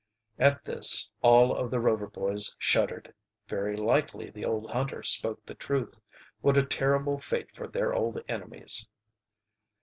At this all of the Rover boys shuddered. Very likely the old hunter spoke the truth. What a terrible fate for their old enemies!